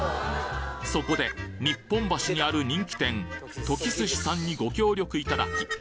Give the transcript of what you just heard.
そこで日本橋にある人気店ときすしさんにご協力いただき